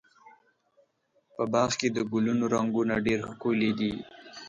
په باغ کې د ګلونو رنګونه ډېر ښکلي دي.